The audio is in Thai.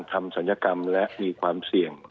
ศัลยกรรมและมีความเสี่ยง